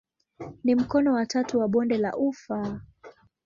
Ni mkono wa tatu wa bonde la ufa.